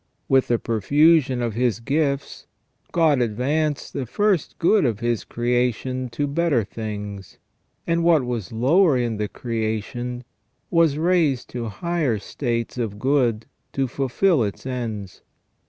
With the profusion of His gifts, God advanced the first good of His creation to better things, and what was lower in the creation was raised to higher states of good to fulfil its ends.